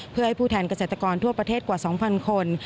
เพื่อให้ผู้แทนเกษตรกรทั่วประเทศกว่า๒๐๐คน